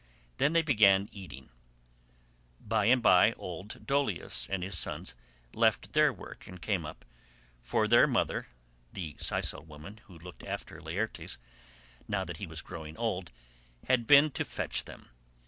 Then they began eating; by and by old Dolius and his sons left their work and came up, for their mother, the Sicel woman who looked after Laertes now that he was growing old, had been to fetch them.